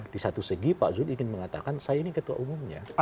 di satu segi pak zul ingin mengatakan saya ini ketua umumnya